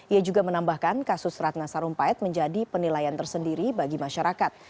ia juga menambahkan kasus ratna sarumpait menjadi penilaian tersendiri bagi masyarakat